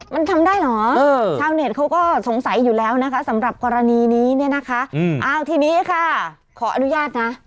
มันทำได้เหรอชาวเน็ตเขาก็สงสัยอยู่แล้วนะคะสำหรับกรณีนี้เนี่ยนะคะอ้าวทีนี้ค่ะขออนุญาตนะ